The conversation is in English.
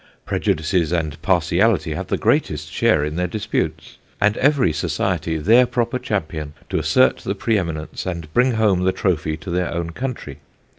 Prejudices and partiality have the greatest share in their disputes, and every society their proper champion to assert the pre eminence and bring home the trophy to their own country.